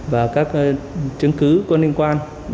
và các chứng cứ có liên quan đến các bình loại một mươi hai kg